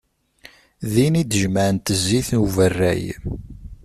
Din i d-jemεent zzit n uberray.